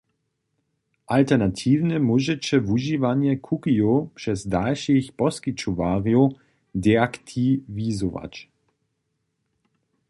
Alternatiwnje móžeće wužiwanje cookiejow přez dalšich poskićowarjow deaktiwizować.